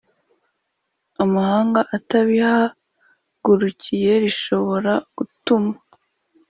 amahanga atabihagurukiye, rishobora gutuma